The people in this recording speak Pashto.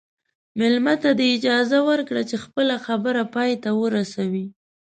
مېلمه ته اجازه ورکړه چې خپله خبره پای ته ورسوي.